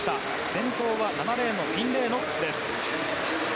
先頭は７レーンフィンレイ・ノックスです。